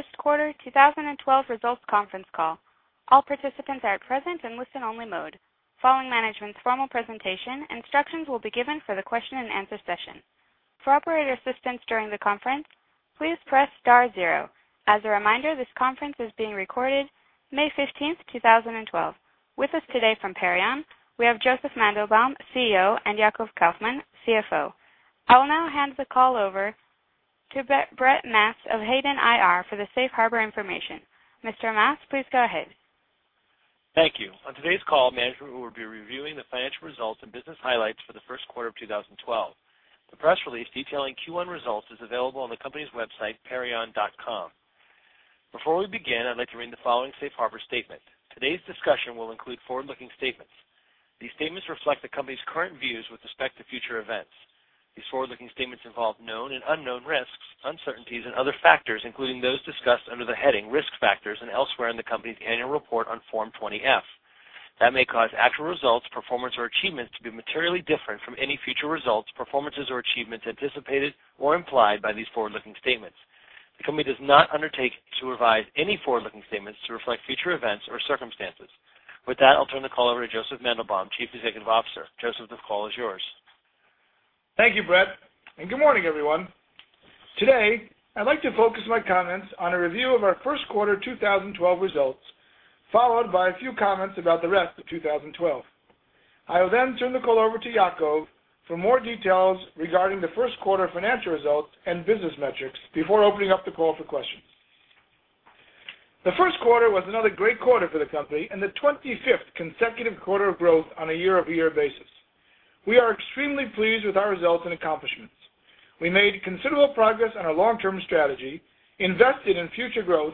First quarter 2012 results conference call. All participants are at present in listen-only mode. Following management's formal presentation, instructions will be given for the question and answer session. For operator assistance during the conference, please press star zero. As a reminder, this conference is being recorded May 15th, 2012. With us today from Perion, we have Josef Mandelbaum, CEO, and Yacov Kaufman, CFO. I will now hand the call over to Brett Maas of Hayden IR for the safe harbor information. Mr. Maas, please go ahead. Thank you. On today's call, management will be reviewing the financial results and business highlights for the first quarter of 2012. The press release detailing Q1 results is available on the company's website, perion.com. Before we begin, I'd like to read the following safe harbor statement. Today's discussion will include forward-looking statements. These statements reflect the company's current views with respect to future events. These forward-looking statements involve known and unknown risks, uncertainties, and other factors, including those discussed under the heading Risk Factors and elsewhere in the company's annual report on Form 20-F. That may cause actual results, performance, or achievements to be materially different from any future results, performances, or achievements anticipated or implied by these forward-looking statements. The company does not undertake to revise any forward-looking statements to reflect future events or circumstances. With that, I'll turn the call over to Josef Mandelbaum, Chief Executive Officer. Josef, the call is yours. Thank you, Brett. Good morning, everyone. Today, I'd like to focus my comments on a review of our first quarter 2012 results, followed by a few comments about the rest of 2012. I will then turn the call over to Yacov for more details regarding the first quarter financial results and business metrics before opening up the call for questions. The first quarter was another great quarter for the company and the 25th consecutive quarter of growth on a year-over-year basis. We are extremely pleased with our results and accomplishments. We made considerable progress on our long-term strategy, invested in future growth,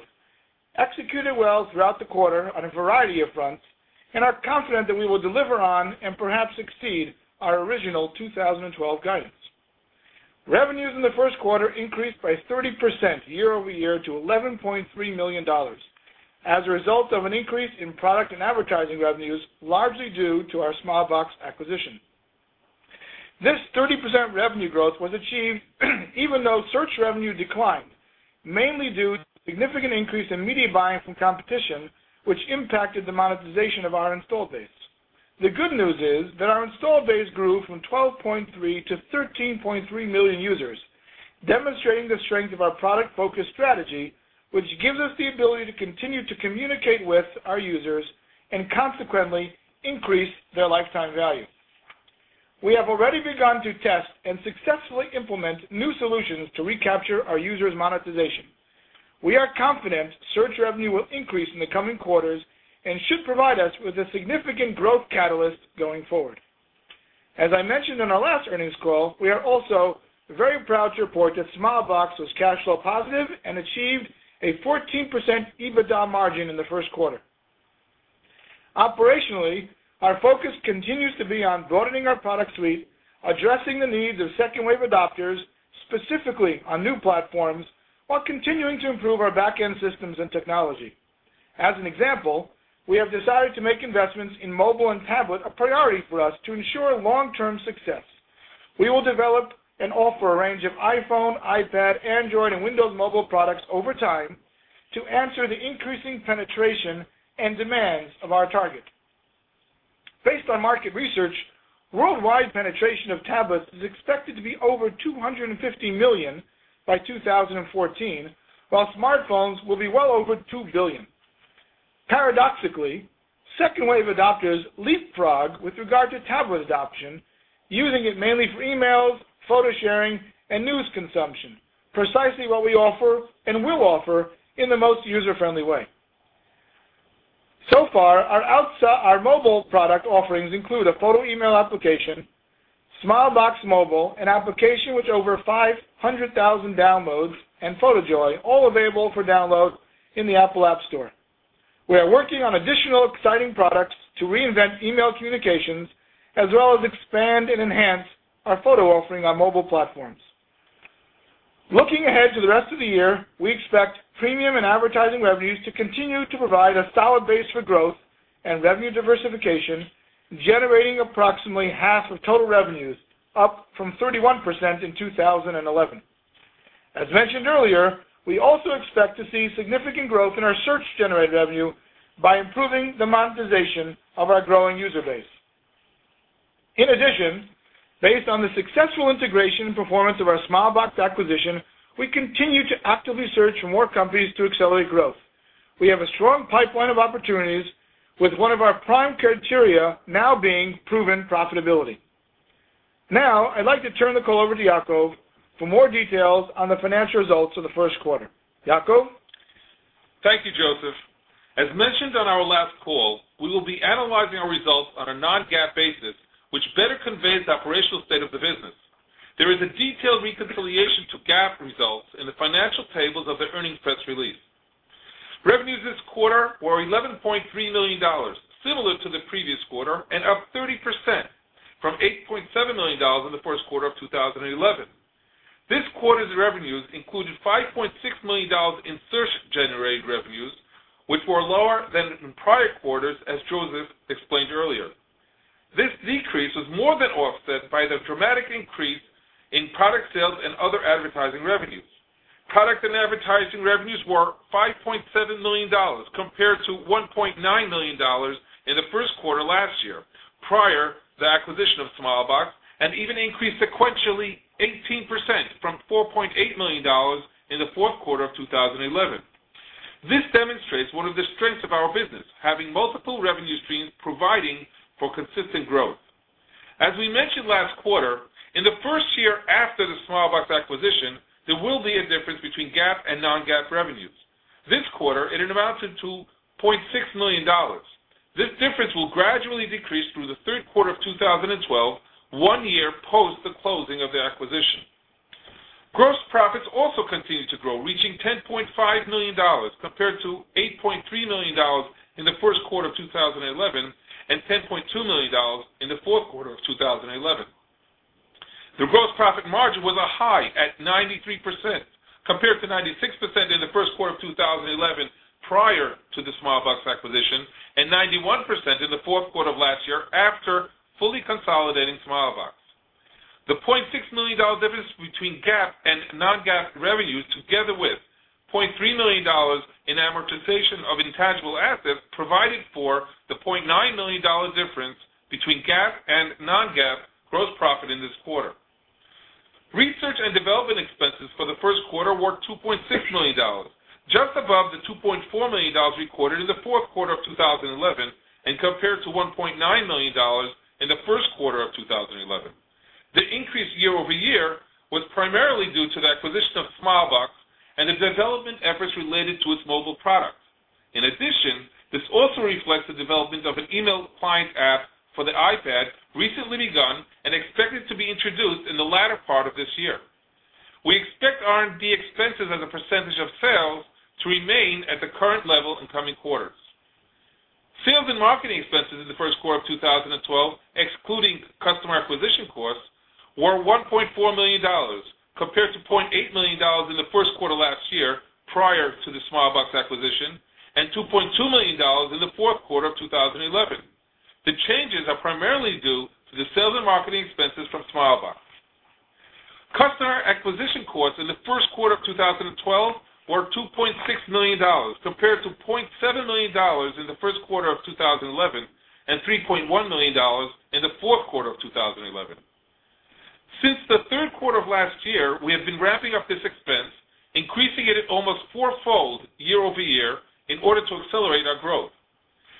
executed well throughout the quarter on a variety of fronts, are confident that we will deliver on and perhaps exceed our original 2012 guidance. Revenues in the first quarter increased by 30% year-over-year to $11.3 million as a result of an increase in product and advertising revenues, largely due to our Smilebox acquisition. This 30% revenue growth was achieved even though search revenue declined, mainly due to significant increase in media buying from competition, which impacted the monetization of our installed base. The good news is that our installed base grew from 12.3 to 13.3 million users, demonstrating the strength of our product-focused strategy, which gives us the ability to continue to communicate with our users and consequently increase their lifetime value. We have already begun to test and successfully implement new solutions to recapture our users' monetization. We are confident search revenue will increase in the coming quarters and should provide us with a significant growth catalyst going forward. As I mentioned on our last earnings call, we are also very proud to report that Smilebox was cash flow positive and achieved a 14% EBITDA margin in the first quarter. Operationally, our focus continues to be on broadening our product suite, addressing the needs of second wave adopters, specifically on new platforms, while continuing to improve our back-end systems and technology. As an example, we have decided to make investments in mobile and tablet a priority for us to ensure long-term success. We will develop and offer a range of iPhone, iPad, Android, and Windows mobile products over time to answer the increasing penetration and demands of our target. Based on market research, worldwide penetration of tablets is expected to be over 250 million by 2014, while smartphones will be well over 2 billion. Paradoxically, second-wave adopters leapfrog with regard to tablet adoption, using it mainly for emails, photo sharing, and news consumption, precisely what we offer and will offer in the most user-friendly way. Our mobile product offerings include a photo email application, Smilebox Mobile, an application with over 500,000 downloads, and PhotoJoy, all available for download in the Apple App Store. We are working on additional exciting products to reinvent email communications, as well as expand and enhance our photo offering on mobile platforms. Looking ahead to the rest of the year, we expect premium and advertising revenues to continue to provide a solid base for growth and revenue diversification, generating approximately half of total revenues, up from 31% in 2011. As mentioned earlier, we also expect to see significant growth in our search-generated revenue by improving the monetization of our growing user base. In addition, based on the successful integration and performance of our Smilebox acquisition, we continue to actively search for more companies to accelerate growth. We have a strong pipeline of opportunities with one of our prime criteria now being proven profitability. Now, I'd like to turn the call over to Yacov for more details on the financial results of the first quarter. Yacov? Thank you, Josef. As mentioned on our last call, we will be analyzing our results on a non-GAAP basis, which better conveys the operational state of the business. There is a detailed reconciliation to GAAP results in the financial tables of the earnings press release. Revenues this quarter were $11.3 million, similar to the previous quarter and up 30% from $8.7 million in the first quarter of 2011. This quarter's revenues included $5.6 million in search-generated revenues, which were lower than in prior quarters, as Josef explained earlier. This decrease was more than offset by the dramatic increase in product sales and other advertising revenues. Product and advertising revenues were $5.7 million compared to $1.9 million in the first quarter last year, prior to the acquisition of Smilebox, and even increased sequentially 18% from $4.8 million in the fourth quarter of 2011. This demonstrates one of the strengths of our business, having multiple revenue streams providing for consistent growth. As we mentioned last quarter, in the first year after the Smilebox acquisition, there will be a difference between GAAP and non-GAAP revenues. This quarter, it amounted to $0.6 million. This difference will gradually decrease through the third quarter of 2012, one year post the closing of the acquisition. Gross profits also continued to grow, reaching $10.5 million compared to $8.3 million in the first quarter of 2011 and $10.2 million in the fourth quarter of 2011. The gross profit margin was a high at 93%, compared to 96% in the first quarter of 2011 prior to the Smilebox acquisition, and 91% in the fourth quarter of last year after fully consolidating Smilebox. The $0.6 million difference between GAAP and non-GAAP revenues, together with $0.3 million in amortization of intangible assets, provided for the $0.9 million difference between GAAP and non-GAAP gross profit in this quarter. Research and development expenses for the first quarter were $2.6 million, just above the $2.4 million recorded in the fourth quarter of 2011 and compared to $1.9 million in the first quarter of 2011. The increase year-over-year was primarily due to the acquisition of Smilebox and the development efforts related to its mobile product. In addition, this also reflects the development of an email client app for the iPad recently begun and expected to be introduced in the latter part of this year. We expect R&D expenses as a percentage of sales to remain at the current level in coming quarters. Sales and marketing expenses in the first quarter of 2012, excluding customer acquisition costs, were $1.4 million, compared to $0.8 million in the first quarter last year prior to the Smilebox acquisition, and $2.2 million in the fourth quarter of 2011. The changes are primarily due to the sales and marketing expenses from Smilebox. Customer acquisition costs in the first quarter of 2012 were $2.6 million, compared to $0.7 million in the first quarter of 2011 and $3.1 million in the fourth quarter of 2011. Since the third quarter of last year, we have been ramping up this expense, increasing it at almost fourfold year-over-year in order to accelerate our growth.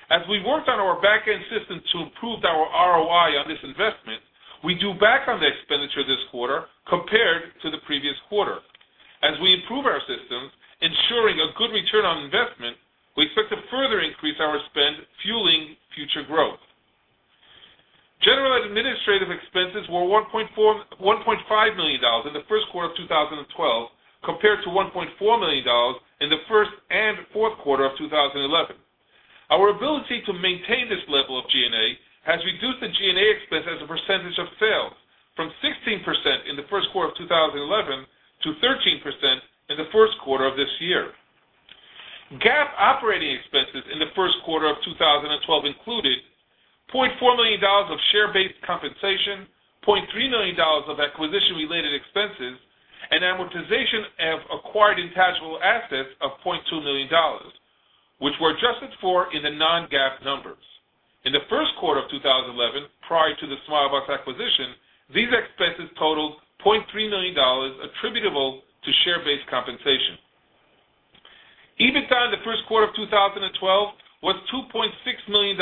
As we worked on our back-end system to improve our ROI on this investment, we drew back on the expenditure this quarter compared to the previous quarter. As we improve our systems, ensuring a good return on investment, we expect to further increase our spend fueling future growth. General and administrative expenses were $1.5 million in the first quarter of 2012, compared to $1.4 million in the first and fourth quarter of 2011. Our ability to maintain this level of G&A has reduced the G&A expense as a percentage of sales from 16% in the first quarter of 2011 to 13% in the first quarter of this year. GAAP operating expenses in the first quarter of 2012 included $0.4 million of share-based compensation, $0.3 million of acquisition-related expenses, and amortization of acquired intangible assets of $0.2 million, which were adjusted for in the non-GAAP numbers. In the first quarter of 2011, prior to the Smilebox acquisition, these expenses totaled $0.3 million attributable to share-based compensation. EBITDA in the first quarter of 2012 was $2.6 million,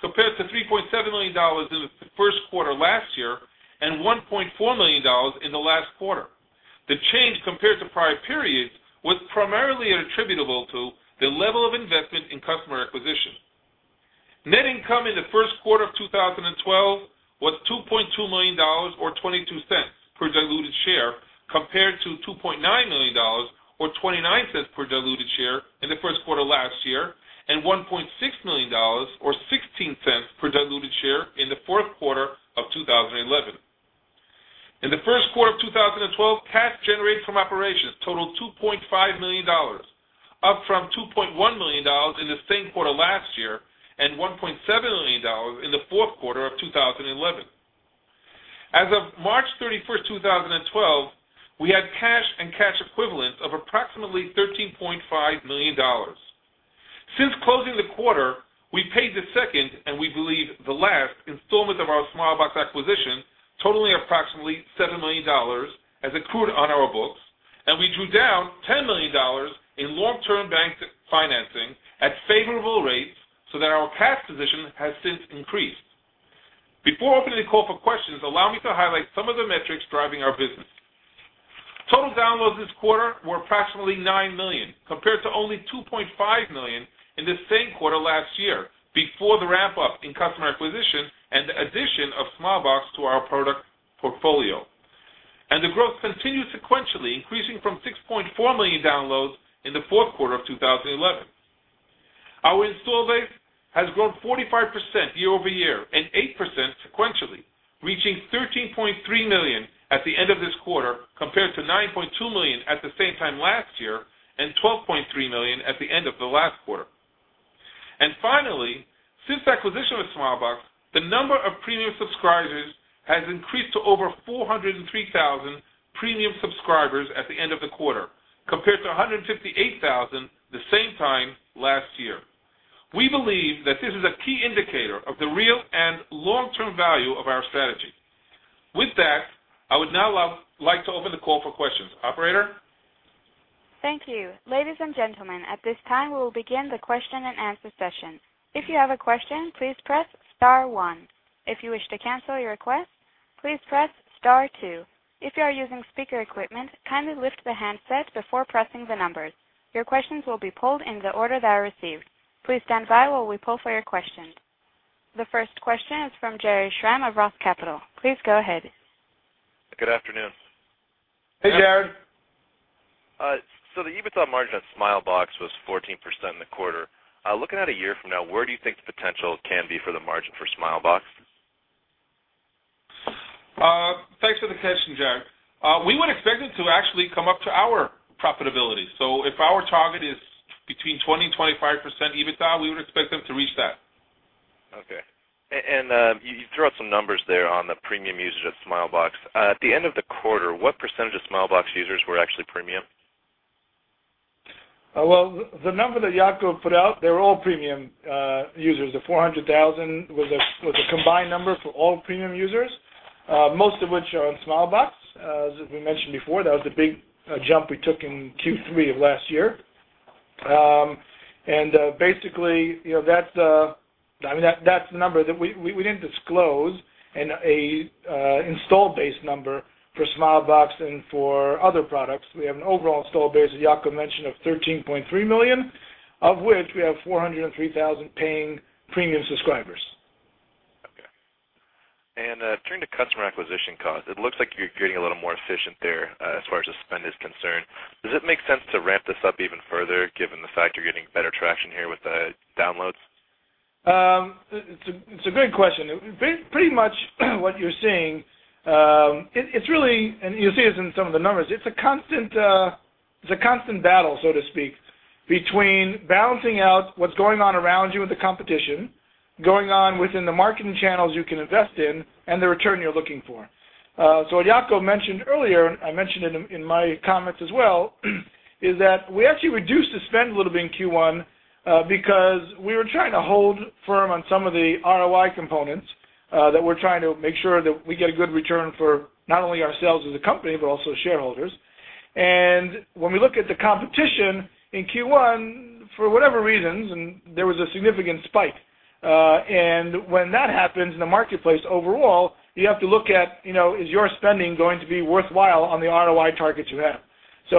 compared to $3.7 million in the first quarter last year and $1.4 million in the last quarter. The change compared to prior periods was primarily attributable to the level of investment in customer acquisition. Net income in the first quarter of 2012 was $2.2 million or $0.22 per diluted share, compared to $2.9 million or $0.29 per diluted share in the first quarter last year, and $1.6 million or $0.16 per diluted share in the fourth quarter of 2011. In the first quarter of 2012, cash generated from operations totaled $2.5 million, up from $2.1 million in the same quarter last year and $1.7 million in the fourth quarter of 2011. As of March 31st, 2012, we had cash and cash equivalents of approximately $13.5 million. Since closing the quarter, we paid the second, and we believe the last, installment of our Smilebox acquisition, totaling approximately $7 million as accrued on our books, and we drew down $10 million in long-term bank financing at favorable rates so that our cash position has since increased. Before opening the call for questions, allow me to highlight some of the metrics driving our business. Total downloads this quarter were approximately 9 million, compared to only 2.5 million in the same quarter last year, before the ramp-up in customer acquisition and the addition of Smilebox to our product portfolio. The growth continued sequentially, increasing from 6.4 million downloads in the fourth quarter of 2011. Our install base has grown 45% year-over-year and 8% sequentially. Reaching 13.3 million at the end of this quarter, compared to 9.2 million at the same time last year and 12.3 million at the end of the last quarter. Finally, since the acquisition of Smilebox, the number of premium subscribers has increased to over 403,000 premium subscribers at the end of the quarter, compared to 158,000 the same time last year. We believe that this is a key indicator of the real and long-term value of our strategy. With that, I would now like to open the call for questions. Operator? Thank you. Ladies and gentlemen, at this time, we will begin the question and answer session. If you have a question, please press star one. If you wish to cancel your request, please press star two. If you are using speaker equipment, kindly lift the handset before pressing the numbers. Your questions will be pulled in the order they are received. Please stand by while we pull for your question. The first question is from Jared Schramm of Roth Capital. Please go ahead. Good afternoon. Hey, Jared. The EBITDA margin at Smilebox was 14% in the quarter. Looking at a year from now, where do you think the potential can be for the margin for Smilebox? Thanks for the question, Jared. We would expect it to actually come up to our profitability. If our target is between 20% and 25% EBITDA, we would expect them to reach that. Okay. You throw out some numbers there on the premium users of Smilebox. At the end of the quarter, what percentage of Smilebox users were actually premium? Well, the number that Yacov put out, they're all premium users. The 400,000 was a combined number for all premium users, most of which are on Smilebox. As we mentioned before, that was a big jump we took in Q3 of last year. Basically, that's the number that we didn't disclose, and install base number for Smilebox and for other products. We have an overall install base, as Yacov mentioned, of 13.3 million, of which we have 403,000 paying premium subscribers. Okay. Turning to customer acquisition costs, it looks like you're getting a little more efficient there as far as the spend is concerned. Does it make sense to ramp this up even further, given the fact you're getting better traction here with the downloads? It's a good question. Pretty much what you're seeing, and you'll see this in some of the numbers, it's a constant battle, so to speak, between balancing out what's going on around you with the competition, going on within the marketing channels you can invest in, and the return you're looking for. Yacov mentioned earlier, I mentioned it in my comments as well, is that we actually reduced the spend a little bit in Q1 because we were trying to hold firm on some of the ROI components that we're trying to make sure that we get a good return for not only ourselves as a company, but also shareholders. When we look at the competition in Q1, for whatever reasons, there was a significant spike. When that happens in the marketplace overall, you have to look at, is your spending going to be worthwhile on the ROI targets you have?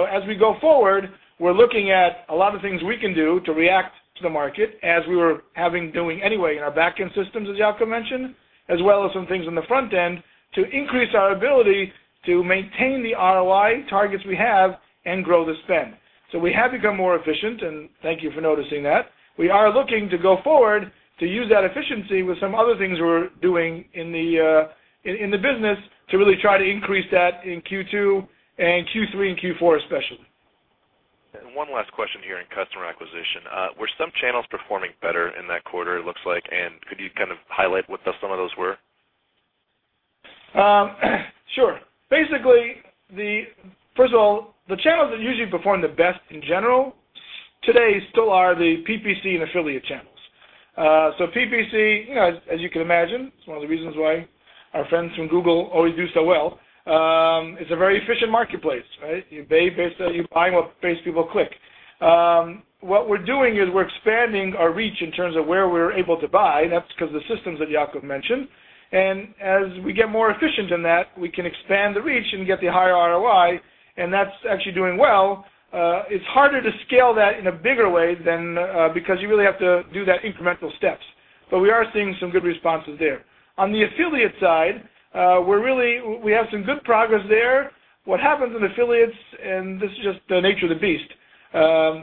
As we go forward, we're looking at a lot of things we can do to react to the market as we were doing anyway in our back-end systems, as Yacov mentioned, as well as some things on the front end to increase our ability to maintain the ROI targets we have and grow the spend. We have become more efficient, and thank you for noticing that. We are looking to go forward to use that efficiency with some other things we're doing in the business to really try to increase that in Q2 and Q3 and Q4, especially. One last question here in customer acquisition. Were some channels performing better in that quarter, it looks like? Could you kind of highlight what some of those were? Sure. First of all, the channels that usually perform the best in general today still are the PPC and affiliate channels. PPC, as you can imagine, it's one of the reasons why our friends from Google always do so well. It's a very efficient marketplace, right? You buy what base people click. What we're doing is we're expanding our reach in terms of where we're able to buy, and that's because the systems that Yacov mentioned. As we get more efficient in that, we can expand the reach and get the higher ROI, and that's actually doing well. It's harder to scale that in a bigger way because you really have to do that incremental steps. We are seeing some good responses there. On the affiliate side, we have some good progress there. What happens with affiliates, and this is just the nature of the beast.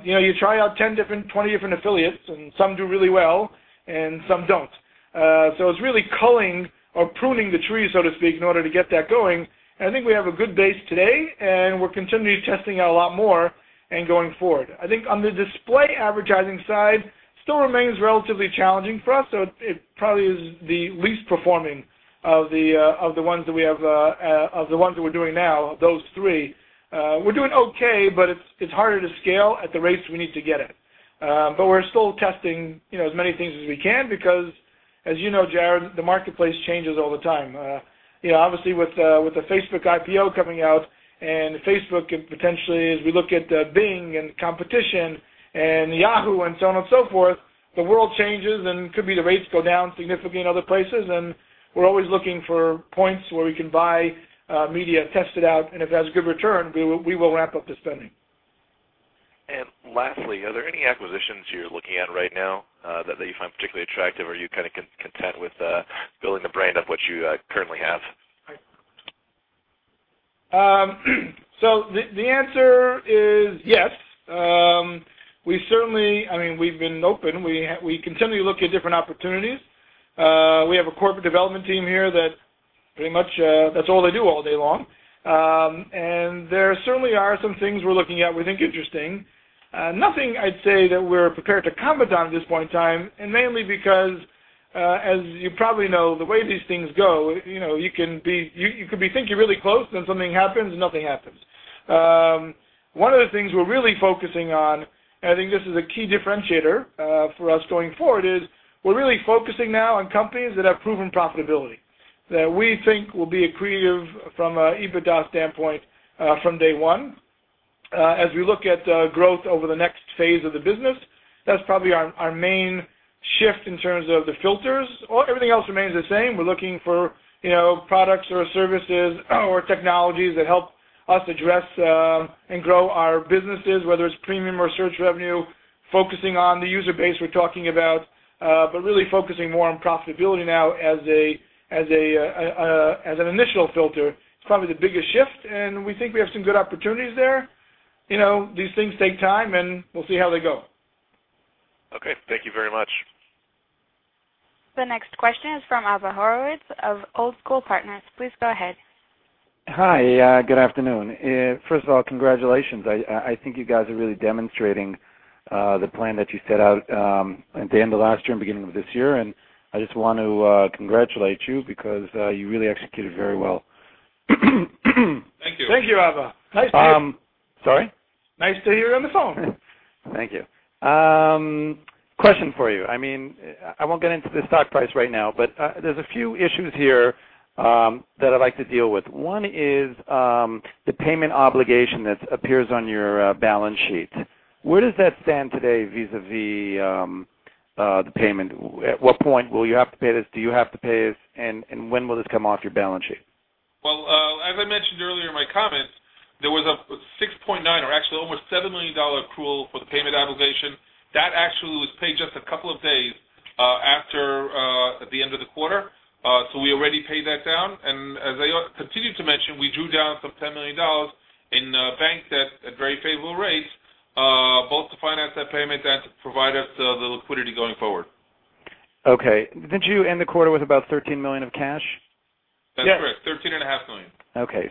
You try out 10 different, 20 different affiliates, and some do really well and some don't. It's really culling or pruning the tree, so to speak, in order to get that going. I think we have a good base today, and we're continually testing out a lot more and going forward. I think on the display advertising side, still remains relatively challenging for us. It probably is the least performing of the ones that we're doing now, those three. We're doing okay, but it's harder to scale at the rates we need to get it. We're still testing as many things as we can because, as you know, Jared, the marketplace changes all the time. Obviously, with the Facebook IPO coming out and Facebook potentially, as we look at Bing and competition and Yahoo and so on and so forth, the world changes, and it could be the rates go down significantly in other places. We're always looking for points where we can buy media, test it out, and if it has good return, we will ramp up the spending. Lastly, are there any acquisitions you're looking at right now that you find particularly attractive, or are you kind of content with building the brand of what you currently have? The answer is yes. We've been open. We continually look at different opportunities. We have a corporate development team here that pretty much, that's all they do all day long. There certainly are some things we're looking at we think interesting. Nothing I'd say that we're prepared to comment on at this point in time, and mainly because, as you probably know, the way these things go, you could be thinking really close, then something happens, and nothing happens. One of the things we're really focusing on, and I think this is a key differentiator for us going forward, is we're really focusing now on companies that have proven profitability, that we think will be accretive from an EBITDA standpoint from day one. As we look at growth over the next phase of the business, that's probably our main shift in terms of the filters. Everything else remains the same. We're looking for products or services or technologies that help us address and grow our businesses, whether it's freemium or search revenue, focusing on the user base we're talking about, but really focusing more on profitability now as an initial filter. It's probably the biggest shift. We think we have some good opportunities there. These things take time. We'll see how they go. Okay. Thank you very much. The next question is from Abba Horwitz of Old School Partners. Please go ahead. Hi. Good afternoon. First of all, congratulations. I think you guys are really demonstrating the plan that you set out at the end of last year and beginning of this year. I just want to congratulate you because you really executed very well. Thank you. Thank you, Abba. Nice to- Sorry? Nice to hear you on the phone. Thank you. Question for you. I won't get into the stock price right now, but there's a few issues here that I'd like to deal with. One is the payment obligation that appears on your balance sheet. Where does that stand today vis-a-vis the payment? At what point will you have to pay this? Do you have to pay it, and when will this come off your balance sheet? Well, as I mentioned earlier in my comments, there was a $6.9 million or actually over $7 million accrual for the payment obligation. That actually was paid just a couple of days after at the end of the quarter. We already paid that down, and as I continue to mention, we drew down some $10 million in bank debt at very favorable rates, both to finance that payment and to provide us the liquidity going forward. Okay. Didn't you end the quarter with about $13 million of cash? That's correct, $13.5 million. Okay.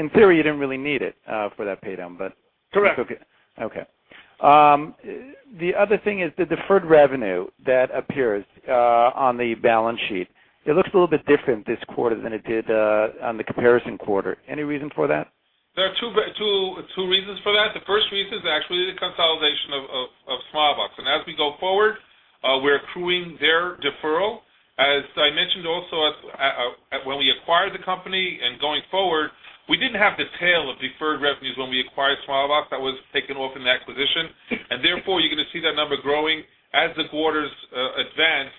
In theory, you didn't really need it for that pay down. Correct. Okay. The other thing is the deferred revenue that appears on the balance sheet. It looks a little bit different this quarter than it did on the comparison quarter. Any reason for that? There are two reasons for that. The first reason is actually the consolidation of Smilebox. As we go forward, we're accruing their deferral. As I mentioned also, when we acquired the company and going forward, we didn't have the tail of deferred revenues when we acquired Smilebox. That was taken off in the acquisition, and therefore, you're going to see that number growing as the quarters advance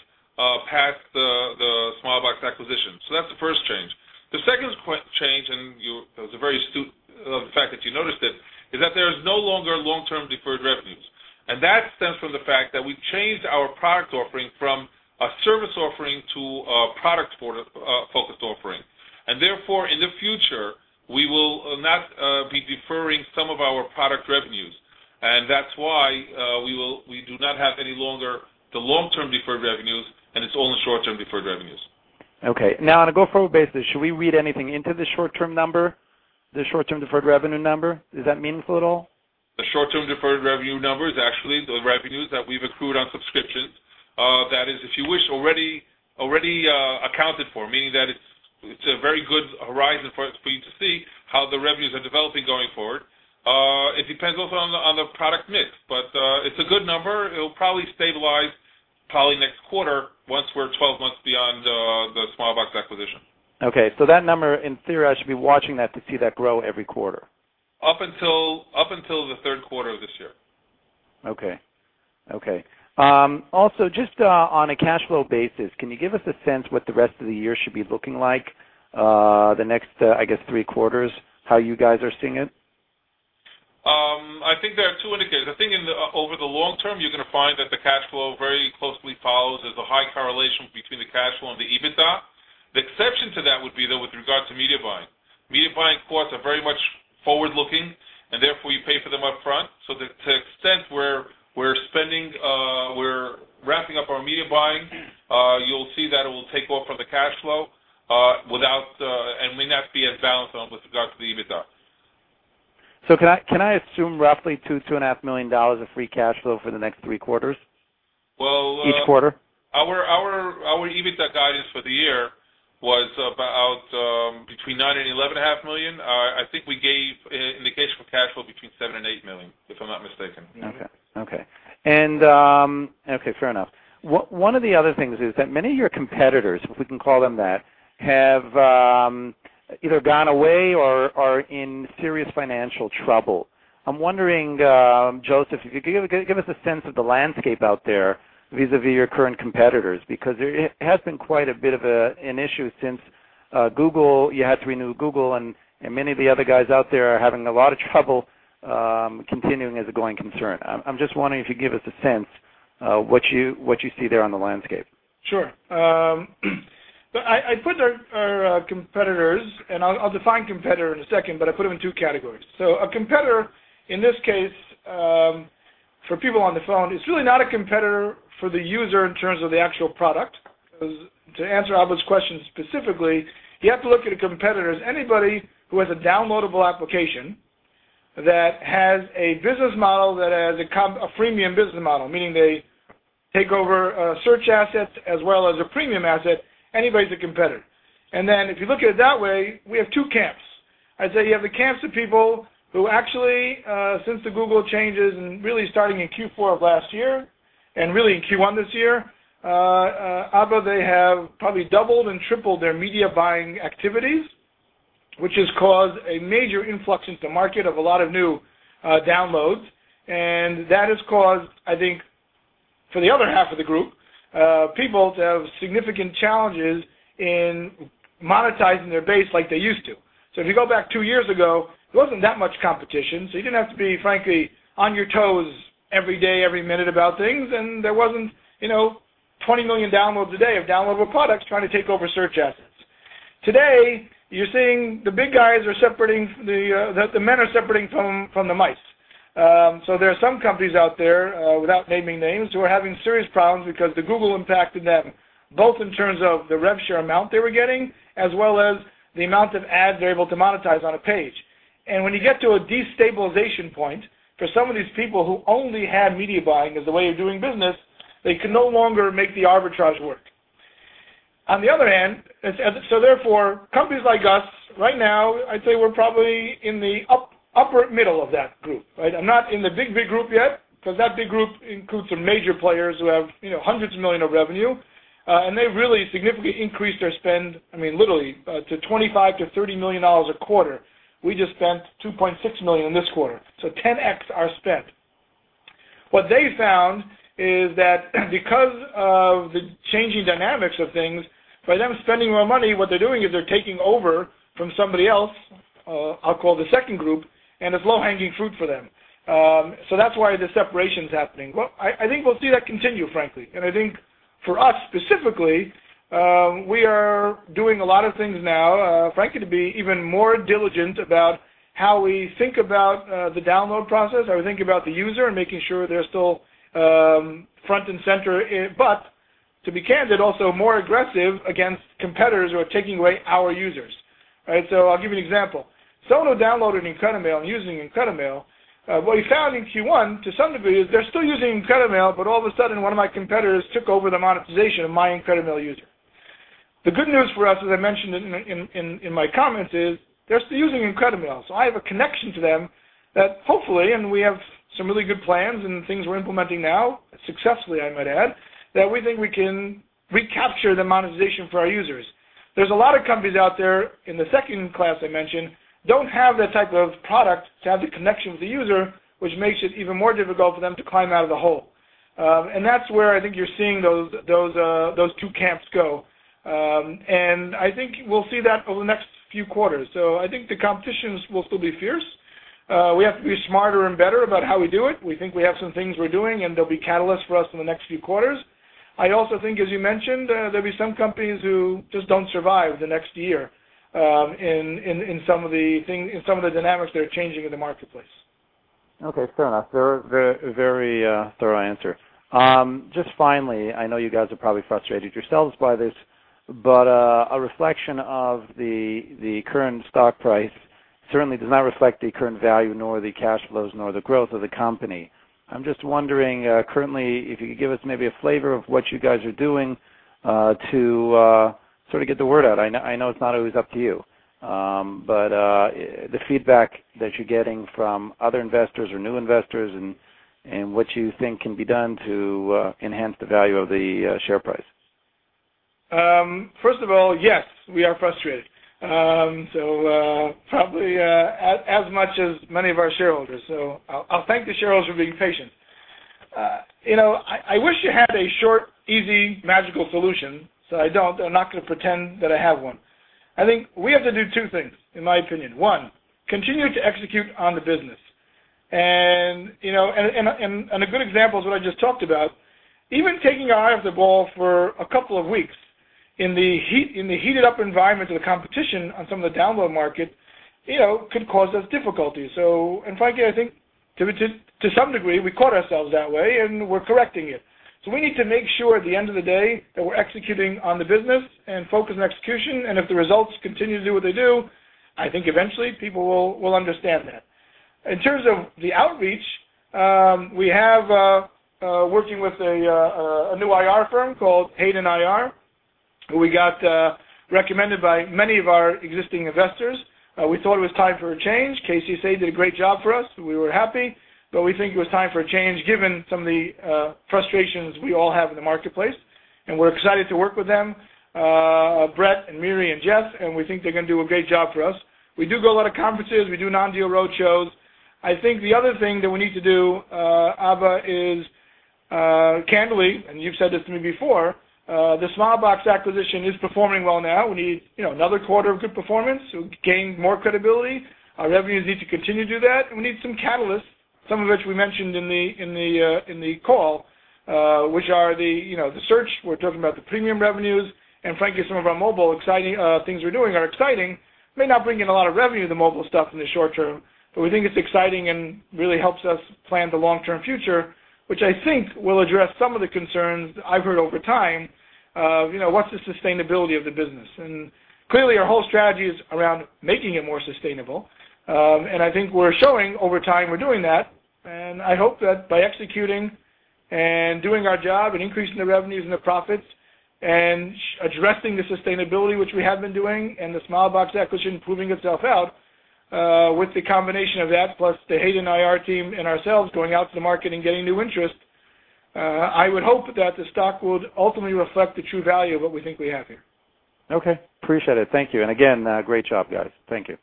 past the Smilebox acquisition. That's the first change. The second change, and it was very astute of the fact that you noticed it, is that there is no longer long-term deferred revenues. That stems from the fact that we've changed our product offering from a service offering to a product-focused offering. Therefore, in the future, we will not be deferring some of our product revenues. That's why we do not have any longer the long-term deferred revenues, and it's only short-term deferred revenues. Okay. Now, on a go-forward basis, should we read anything into the short-term deferred revenue number? Is that meaningful at all? The short-term deferred revenue number is actually the revenues that we've accrued on subscriptions. That is, if you wish, already accounted for, meaning that it's a very good horizon for you to see how the revenues are developing going forward. It depends also on the product mix, but it's a good number. It'll probably stabilize next quarter once we're 12 months beyond the Smilebox acquisition. Okay. That number, in theory, I should be watching that to see that grow every quarter. Up until the third quarter of this year. Okay. Just on a cash flow basis, can you give us a sense what the rest of the year should be looking like? The next, I guess, three quarters, how you guys are seeing it? I think there are two indicators. I think over the long term, you're going to find that the cash flow very closely follows. There is a high correlation between the cash flow and the EBITDA. The exception to that would be, though, with regard to media buying. Media buying quotes are very much forward-looking, and therefore, you pay for them up front. To the extent we are ramping up our media buying, you will see that it will take off from the cash flow and may not be as balanced with regard to the EBITDA. Can I assume roughly $2 million, $2.5 million of free cash flow for the next three quarters? Well- Each quarter? Our EBITDA guidance for the year was about between $9 and $11.5 million. I think we gave indication for cash flow between $7 and $8 million, if I am not mistaken. Okay. Fair enough. One of the other things is that many of your competitors, if we can call them that, have either gone away or are in serious financial trouble. I'm wondering, Josef, if you could give us a sense of the landscape out there vis-a-vis your current competitors, because there has been quite a bit of an issue since you had to renew Google, and many of the other guys out there are having a lot of trouble continuing as a going concern. I'm just wondering if you could give us a sense what you see there on the landscape. Sure. I put our competitors, I'll define competitor in a second, I put them in two categories. A competitor, in this case, for people on the phone, is really not a competitor for the user in terms of the actual product. To answer Ava's question specifically, you have to look at a competitor as anybody who has a downloadable application that has a business model that has a freemium business model, meaning they take over search assets as well as a premium asset, anybody's a competitor. If you look at it that way, we have two camps. I'd say you have the camps of people who actually, since the Google changes and really starting in Q4 of last year and really in Q1 this year, Ava, they have probably doubled and tripled their media buying activities, which has caused a major influx into the market of a lot of new downloads. That has caused, I think, for the other half of the group, people to have significant challenges in monetizing their base like they used to. If you go back two years ago, there wasn't that much competition, you didn't have to be, frankly, on your toes every day, every minute about things. There wasn't 20 million downloads a day of downloadable products trying to take over search assets. Today, you're seeing the men are separating from the mice. There are some companies out there, without naming names, who are having serious problems because the Google impact both in terms of the rev share amount they were getting, as well as the amount of ads they're able to monetize on a page. When you get to a destabilization point, for some of these people who only had media buying as a way of doing business, they can no longer make the arbitrage work. On the other hand, therefore, companies like us, right now, I'd say we're probably in the upper middle of that group. I'm not in the big, big group yet because that big group includes some major players who have hundreds of million of revenue, and they've really significantly increased their spend, literally to $25 million-$30 million a quarter. We just spent $2.6 million this quarter. 10x our spend. What they found is that because of the changing dynamics of things, by them spending more money, what they're doing is they're taking over from somebody else, I'll call the second group, and it's low-hanging fruit for them. That's why the separation's happening. I think we'll see that continue, frankly. I think for us specifically, we are doing a lot of things now, frankly, to be even more diligent about how we think about the download process, how we think about the user and making sure they're still front and center. To be candid, also more aggressive against competitors who are taking away our users. I'll give you an example. Someone who downloaded IncrediMail and using IncrediMail, what we found in Q1, to some degree, is they're still using IncrediMail, all of a sudden, one of my competitors took over the monetization of my IncrediMail user. The good news for us, as I mentioned in my comments, is they're still using IncrediMail. I have a connection to them that hopefully, and we have some really good plans and things we're implementing now, successfully, I might add, that we think we can recapture the monetization for our users. There's a lot of companies out there in the second class I mentioned, don't have that type of product to have the connection with the user, which makes it even more difficult for them to climb out of the hole. That's where I think you're seeing those two camps go. I think we'll see that over the next few quarters. I think the competition will still be fierce. We have to be smarter and better about how we do it. We think we have some things we're doing, and they'll be catalysts for us in the next few quarters. I also think, as you mentioned, there'll be some companies who just don't survive the next year in some of the dynamics that are changing in the marketplace. Okay, fair enough. Very thorough answer. Just finally, I know you guys are probably frustrated yourselves by this, a reflection of the current stock price certainly does not reflect the current value, nor the cash flows, nor the growth of the company. I'm just wondering, currently, if you could give us maybe a flavor of what you guys are doing to sort of get the word out. I know it's not always up to you. The feedback that you're getting from other investors or new investors and what you think can be done to enhance the value of the share price. First of all, yes, we are frustrated. Probably as much as many of our shareholders. I'll thank the shareholders for being patient. I wish I had a short, easy, magical solution. I don't, I'm not going to pretend that I have one. I think we have to do two things, in my opinion. One, continue to execute on the business. A good example is what I just talked about. Even taking our eye off the ball for a couple of weeks in the heated-up environment of the competition on some of the download market could cause us difficulty. Frankly, I think to some degree, we caught ourselves that way, and we're correcting it. We need to make sure at the end of the day that we're executing on the business and focused on execution. If the results continue to do what they do, I think eventually people will understand that. In terms of the outreach, we have working with a new IR firm called Hayden IR, who we got recommended by many of our existing investors. We thought it was time for a change. KCSA did a great job for us. We were happy, but we think it was time for a change given some of the frustrations we all have in the marketplace. We're excited to work with them, Brett and Mary and Jess, and we think they're going to do a great job for us. We do go to a lot of conferences. We do non-deal roadshows. I think the other thing that we need to do, Ava, is, candidly, and you've said this to me before, the Smilebox acquisition is performing well now. We need another quarter of good performance to gain more credibility. Our revenues need to continue to do that. We need some catalysts. Some of which we mentioned in the call, which are the search. We're talking about the freemium revenues, and frankly, some of our mobile exciting things we're doing are exciting, may not bring in a lot of revenue, the mobile stuff, in the short term, but we think it's exciting and really helps us plan the long-term future, which I think will address some of the concerns I've heard over time of what's the sustainability of the business. Clearly, our whole strategy is around making it more sustainable. I think we're showing over time we're doing that, and I hope that by executing and doing our job and increasing the revenues and the profits and addressing the sustainability, which we have been doing, and the Smilebox acquisition proving itself out, with the combination of that, plus the Hayden IR team and ourselves going out to the market and getting new interest, I would hope that the stock would ultimately reflect the true value of what we think we have here. Okay. Appreciate it. Thank you. Again, great job, guys. Thank you.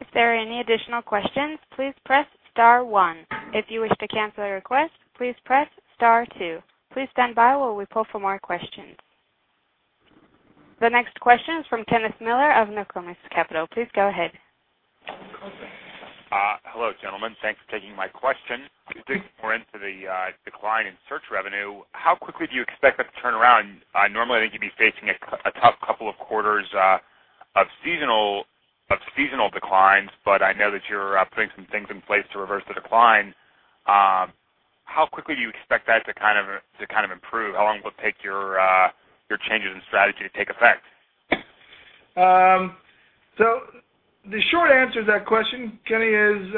If there are any additional questions, please press star one. If you wish to cancel a request, please press star two. Please stand by while we pull for more questions. The next question is from Kenneth Miller of Nokomis Capital. Please go ahead. Hello, gentlemen. Thanks for taking my question. To dig more into the decline in search revenue, how quickly do you expect that to turn around? Normally, I think you'd be facing a tough couple of quarters of seasonal declines, but I know that you're putting some things in place to reverse the decline. How quickly do you expect that to improve? How long will it take your changes in strategy to take effect? The short answer to that question, Kenny, is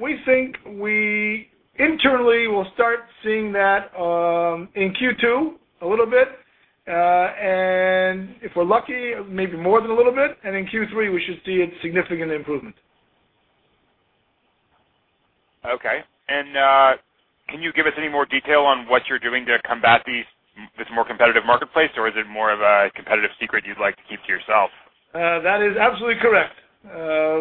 we think we internally will start seeing that in Q2 a little bit. If we're lucky, maybe more than a little bit. In Q3, we should see a significant improvement. Okay. Can you give us any more detail on what you're doing to combat this more competitive marketplace, or is it more of a competitive secret you'd like to keep to yourself? That is absolutely correct.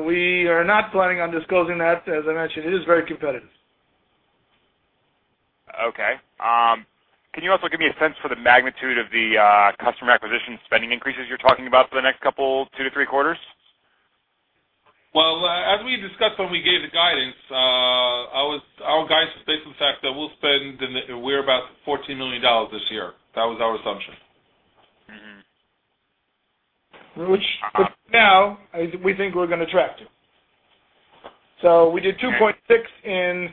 We are not planning on disclosing that. As I mentioned, it is very competitive. Okay. Can you also give me a sense for the magnitude of the customer acquisition spending increases you're talking about for the next couple, two to three quarters? Well, as we discussed when we gave the guidance, our guidance is based on the fact that we're about $14 million this year. That was our assumption. We think we're going to track to. We did $2.6 in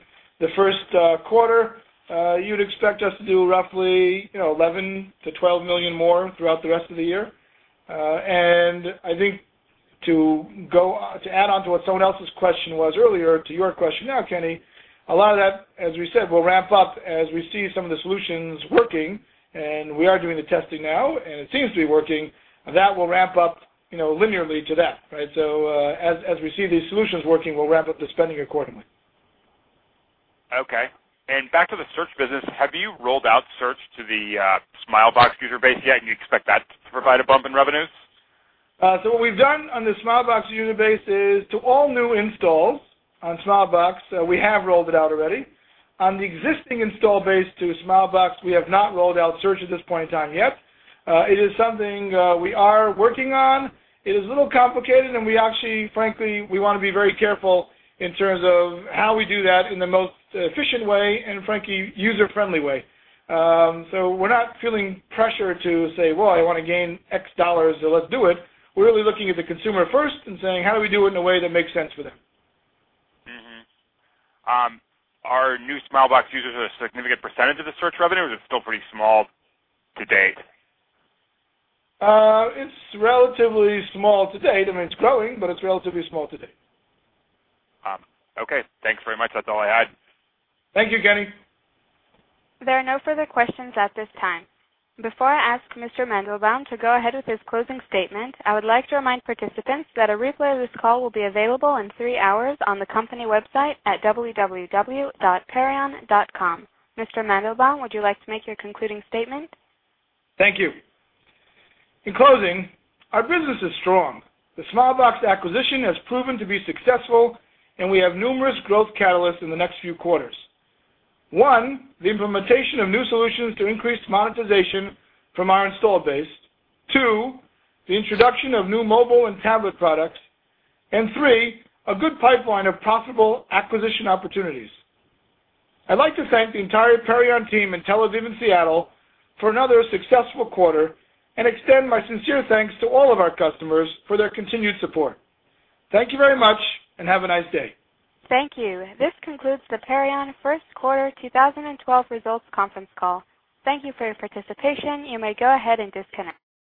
Q1. You'd expect us to do roughly $11 million-$12 million more throughout the rest of the year. I think to add on to what someone else's question was earlier, to your question now, Kenny, a lot of that, as we said, will ramp up as we see some of the solutions working, and we are doing the testing now, and it seems to be working. That will ramp up linearly to that, right? As we see these solutions working, we'll ramp up the spending accordingly. Okay. Back to the search business, have you rolled out search to the Smilebox user base yet, and you expect that to provide a bump in revenues? What we've done on the Smilebox user base is to all new installs on Smilebox, we have rolled it out already. On the existing install base to Smilebox, we have not rolled out search at this point in time yet. It is something we are working on. It is a little complicated, and we actually, frankly, want to be very careful in terms of how we do that in the most efficient way and, frankly, user-friendly way. We're not feeling pressure to say, "Well, I want to gain X dollars, so let's do it." We're really looking at the consumer first and saying, "How do we do it in a way that makes sense for them? Mm-hmm. Are new Smilebox users a significant percentage of the search revenue, or is it still pretty small to date? It's relatively small to date. I mean, it's growing, but it's relatively small to date. Okay. Thanks very much. That's all I had. Thank you, Kenny. There are no further questions at this time. Before I ask Mr. Mandelbaum to go ahead with his closing statement, I would like to remind participants that a replay of this call will be available in three hours on the company website at www.perion.com. Mr. Mandelbaum, would you like to make your concluding statement? Thank you. In closing, our business is strong. The Smilebox acquisition has proven to be successful, and we have numerous growth catalysts in the next few quarters. One, the implementation of new solutions to increase monetization from our install base. Two, the introduction of new mobile and tablet products. Three, a good pipeline of profitable acquisition opportunities. I'd like to thank the entire Perion team in Tel Aviv and Seattle for another successful quarter and extend my sincere thanks to all of our customers for their continued support. Thank you very much, and have a nice day. Thank you. This concludes the Perion First Quarter 2012 Results Conference Call. Thank you for your participation. You may go ahead and disconnect.